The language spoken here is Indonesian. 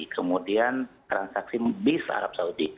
kemudian transaksi bis